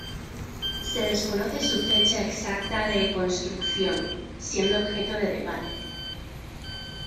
Se desconoce su fecha exacta de construcción, siendo objeto de debate.